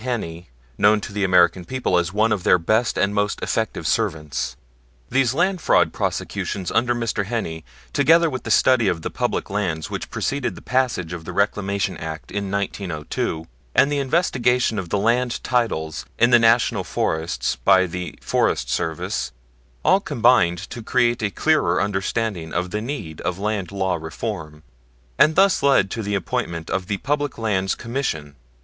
Heney known to the American people as one of their best and most effective servants. These land fraud prosecutions under Mr. Heney, together with the study of the public lands which preceded the passage of the Reclamation Act in 1902, and the investigation of land titles in the National Forests by the Forest Service, all combined to create a clearer understanding of the need of land law reform, and thus led to the appointment of the Public Lands Commission.